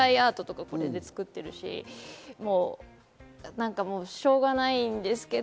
ＡＩアートとか作ってるし、しょうがないんですけど。